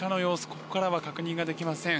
ここからは確認ができません。